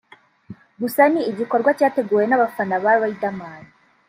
gusa ni igikorwa cyateguwe n’abafana ba Riderman